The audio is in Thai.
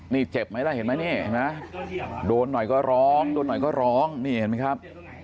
นี่เจ็บไหมแล้วเห็นไหมดวนหน่อยก็ร้องนี่เห็นไหมครับ